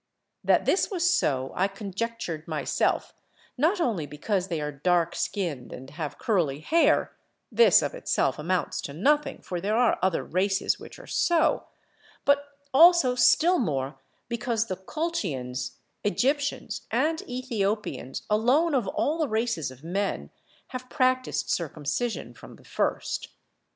That this was so I conjectured myself not only because they are dark skinned and have curly hair (this of itself amounts to nothing, for there are other races which are so), but also still more because the Colchians, Egyptians, and Ethiopians alone of all the races of men have practised circumcision from the first.